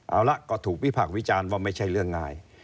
เอาละก็ถูกวิพากษ์วิจารณ์ว่าไม่ใช่เรื่องง่าย